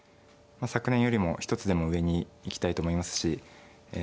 昨年よりも一つでも上に行きたいと思いますしえ